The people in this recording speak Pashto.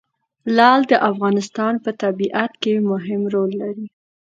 لعل د افغانستان په طبیعت کې مهم رول لري.